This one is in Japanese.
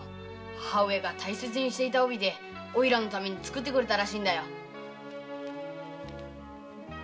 母上が大切にしていた帯でおいらのために作ってくれたらしいんだよ。